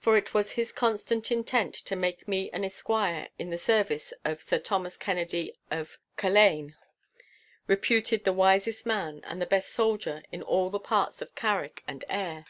For it was his constant intent to make me an esquire in the service of Sir Thomas Kennedy of Culzean,[#] reputed the wisest man and the best soldier in all the parts of Carrick and Ayr.